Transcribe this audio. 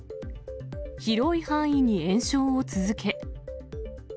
広い範囲に延焼を続け。